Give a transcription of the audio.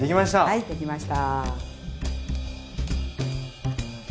はいできました。